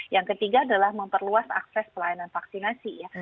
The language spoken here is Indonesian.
yang ketiga adalah memperluas akses pelayanan vaksinasi ya